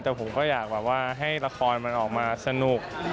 แต่ผมก็อยากแบบว่าให้ละครมันออกมาสนุก